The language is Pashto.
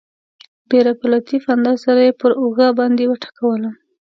ډېر په لطیف انداز سره یې پر اوږه باندې وټکولم.